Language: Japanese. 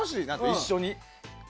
一緒に。